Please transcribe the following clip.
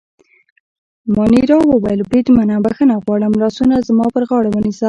مانیرا وویل: بریدمنه، بخښنه غواړم، لاسونه زما پر غاړه ونیسه.